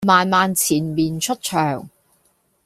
慢慢纏綿出場